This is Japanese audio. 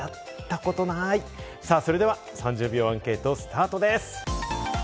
さぁ、それでは３０秒アンケート、スタートです。